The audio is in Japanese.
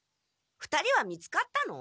２人は見つかったの？